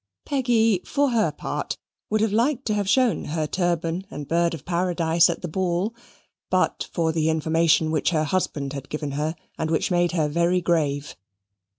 Peggy, for her part, would have liked to have shown her turban and bird of paradise at the ball, but for the information which her husband had given her, and which made her very grave.